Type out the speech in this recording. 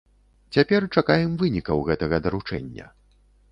Цяпер чакаем вынікаў гэтага даручэння.